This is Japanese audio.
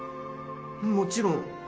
もちろん。